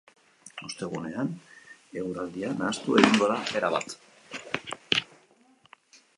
Ostegunean, eguraldia nahastu egingo da erabat.